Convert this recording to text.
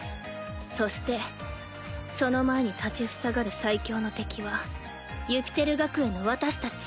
そしてその前に立ち塞がる最強の敵はユピテル学園の私たち。